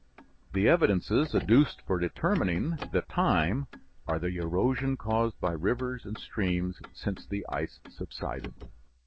The evidences adduced for determining the time, are the erosion caused by rivers and streams since the ice subsided.